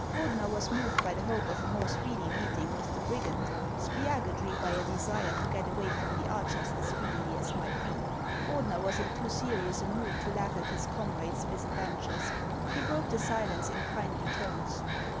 Ordener was moved by the hope of a more speedy meeting with the brigand, Spia gudry by a desire to get away from the archers as speedily as might be. Ordener was in too serious a mood to laugh at his com rade's misadventures. He broke the silence in kindly tones.